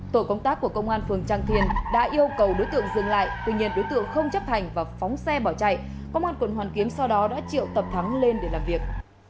tổ công tác của công an phường trang thiền đã yêu cầu đối tượng dừng lại tuy nhiên đối tượng không chấp hành và phóng xe bỏ chạy công an quận hoàn kiếm sau đó đã triệu tập thắng lên để làm việc